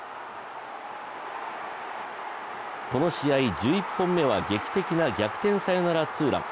この試合、１１本目は劇的な逆転サヨナラホームラン。